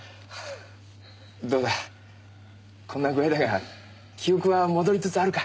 どうだこんな具合だが記憶は戻りつつあるか？